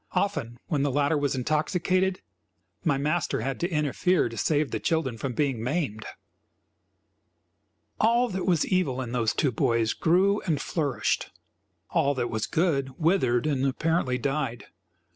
Often, when the latter was intoxicated, my master had to interfere to save the children from being maimed. All that was evil in those two boys grew and flourished; all that was good withered and, apparently, died.